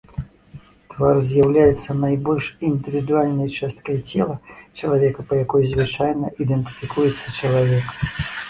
Твар з'яўляецца найбольш індывідуальнай часткай цела чалавека, па якой звычайна ідэнтыфікуецца чалавек.